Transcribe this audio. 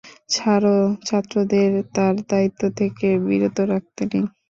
ছাড়ো, ছাত্রদের তার দায়িত্ব থেকে বিরত রাখতে নেই।